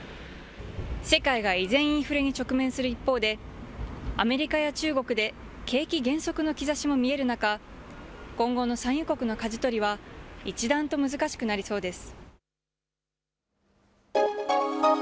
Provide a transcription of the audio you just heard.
世界が依然、インフレに直面する一方で、アメリカや中国で景気減速の兆しも見える中、今後の産油国のかじ取りは一段と難しくなりそうです。